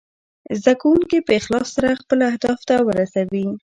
زده کونکي په اخلاص سره خپل اهداف ته ورسوي.